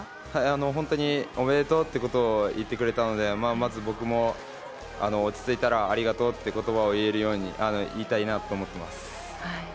本当におめでとうということを言ってくれたので、まず僕も落ち着いたらありがとうという言葉を言いたいなと思っています。